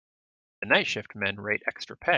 The night shift men rate extra pay.